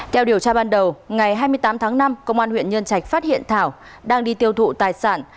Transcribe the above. theo điều tra ban đầu ngày hai mươi tám tháng năm công an huyện nhân trạch phát hiện thảo đang đi tiêu thụ tài sản